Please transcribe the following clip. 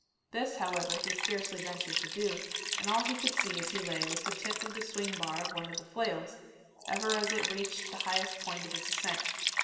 This, however, he scarcely ventured to do; and all he could see as he lay was the tip of the swing bar of one of the flails, ever as it reached the highest point of its ascent.